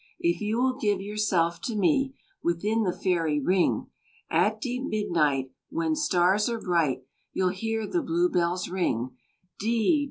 If you will give yourself to me, Within the fairy ring, At deep midnight, When stars are bright, You'll hear the Blue bells ring D!